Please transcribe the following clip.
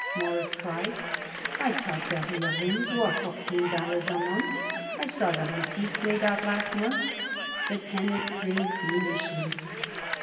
Morris cried. "I thought the rear rooms were fourteen dollars a month. I saw the receipts made out last month." The tenant grinned fiendishly.